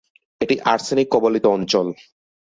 এটি আর্সেনিক-কবলিত অঞ্চল।